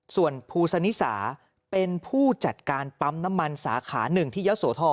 ส่วนภูสนิสาเป็นผู้จัดการปั๊มน้ำมันสาขาหนึ่งที่ยะโสธร